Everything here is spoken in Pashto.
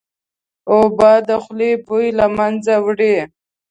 اوبه د خولې بوی له منځه وړي